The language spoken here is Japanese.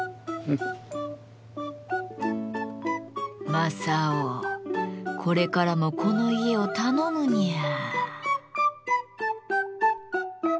正雄これからもこの家を頼むニャー。